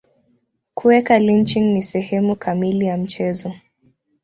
Kuweka lynching ni sehemu kamili ya mchezo.